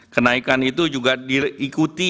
kenaikan itu juga diikuti